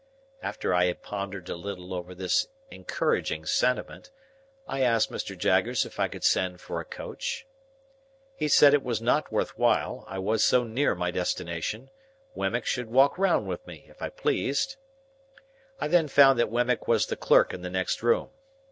After I had pondered a little over this encouraging sentiment, I asked Mr. Jaggers if I could send for a coach? He said it was not worth while, I was so near my destination; Wemmick should walk round with me, if I pleased. I then found that Wemmick was the clerk in the next room.